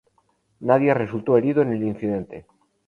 Nadie resultó herido en el incidente.